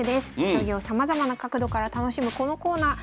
将棋をさまざまな角度から楽しむこのコーナー。